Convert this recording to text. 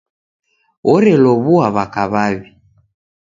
Orelow'ua w'aka w'aw'i.